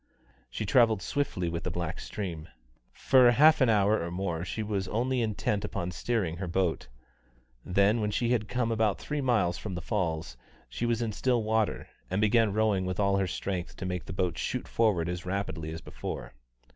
She travelled swiftly with the black stream. For half an hour or more she was only intent upon steering her boat. Then, when she had come about three miles from the falls, she was in still water, and began rowing with all her strength to make the boat shoot forward as rapidly as before.